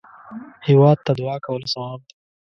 هېواد ته دعا کول ثواب دی